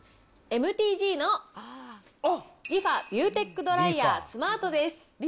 ＭＴＧのリファビューテックドライヤースマートです。